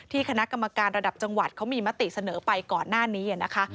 คณะกรรมการระดับจังหวัดเขามีมติเสนอไปก่อนหน้านี้นะคะ